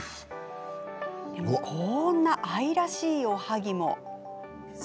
でも、こんな愛らしいおはぎも。